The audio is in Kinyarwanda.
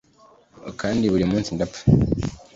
kandi burimunsi ndapfa